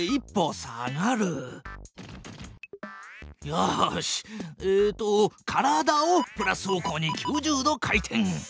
よしえっと体をプラス方向に９０度回転！